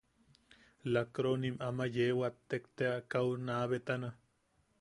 Lakkroonim ama yee wattek tea kau naa betana.